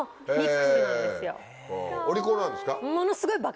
お利口なんですか？